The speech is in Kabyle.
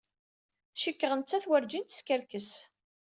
Cikkeɣ nettat werjin teskerkes.